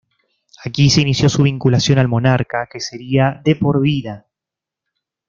Aquí se inició su vinculación al monarca, que sería de por vida.